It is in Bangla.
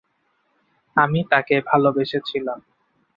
আমি তাকে ভালোবেসেছিলাম।